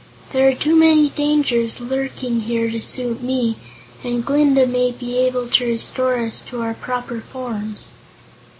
There are too many dangers lurking here to suit me, and Glinda may be able to restore us to our proper forms."